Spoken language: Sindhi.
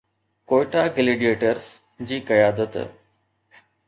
ڪوئيٽا گليڊيئيٽرز جي قيادت